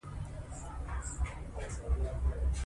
د لیکوالو ورځ د هغوی د معنوي مقام لمانځنه ده.